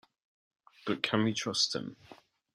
But can we trust him?